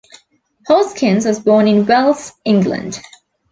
Hoskins was born in Wells England.